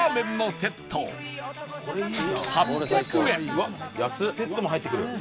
セットも入ってくる。